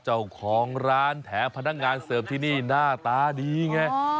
เจ้าของร้านแถมพนักงานเสิร์ฟที่นี่หน้าตาดีไง